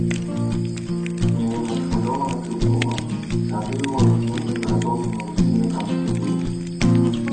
Княгиня схвильовано кивнула, й Гатило гукнув у перетоптану весільниками світлицю: